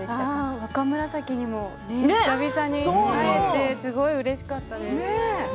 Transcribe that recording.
若紫にも久々に会えてすごくうれしかったです。